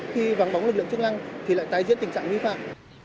khi vắng bóng lực lượng chức lăng thì lại tái diễn tình trạng vi phạm